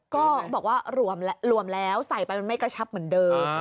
ก็บอกว่ารวมแล้วใส่ไปมันไม่กระชับเหมือนเดิม